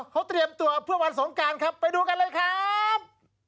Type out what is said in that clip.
เขาเตรียมตัวเพื่อวันสงการครับไปดูกันเลยครับ